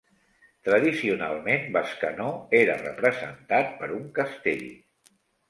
Tradicionalment Bescanó era representat per un castell.